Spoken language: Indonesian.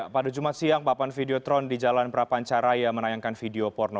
pada jumat siang papan videotron di jalan prapancaraya menayangkan video porno